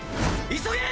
急げ！